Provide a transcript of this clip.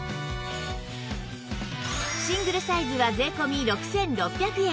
シングルサイズは税込６６００円